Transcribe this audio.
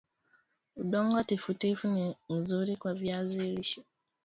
udongo tifutifu ni mzuri kwa viazi lishe